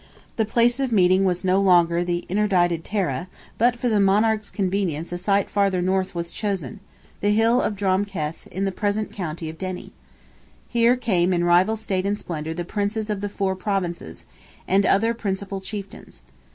The place of meeting was no longer the interdicted Tara, but for the monarch's convenience a site farther north was chosen—the hill of Drom Keth, in the present county of Derry. Here came in rival state and splendour the Princes of the four Provinces, and other principal chieftains.